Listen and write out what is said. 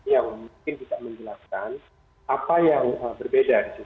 yang mungkin tidak menjelaskan apa yang berbeda